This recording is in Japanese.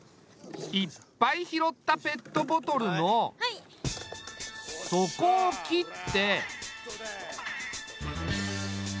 いっぱい拾ったペットボトルの底を切って。